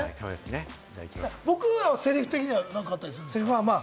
僕らは、せりふ的には何かあったりする？